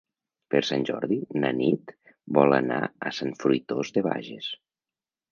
Per Sant Jordi na Nit vol anar a Sant Fruitós de Bages.